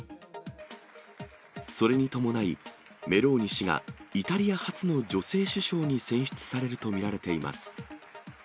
それに伴い、メローニ氏がイタリア初の女性首相に選出されると見られています。